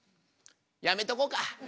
やめとこうか。